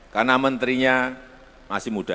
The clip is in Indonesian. karena menterinya masih muda